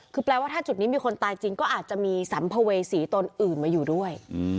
คือแปลว่าถ้าจุดนี้มีคนตายจริงก็อาจจะมีสัมภเวษีตนอื่นมาอยู่ด้วย